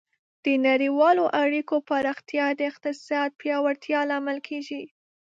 د نړیوالو اړیکو پراختیا د اقتصاد پیاوړتیا لامل کیږي.